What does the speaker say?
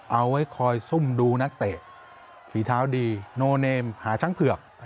เอาไว้คอยซุ่มดูนักเตะฝีเท้าดีโนเนมหาช้างเผือก